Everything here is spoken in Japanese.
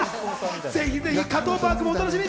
加藤パークお楽しみに。